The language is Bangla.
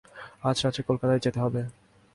আজ রাত্রে কলকাতায় যেতে হবে।